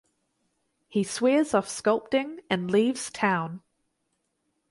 He swears off sculpting and leaves town.